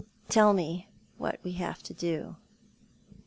" Tell me what we have to do